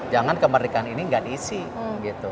jangan kemerdekaan ini gak diisi gitu